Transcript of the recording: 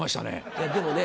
いやでもね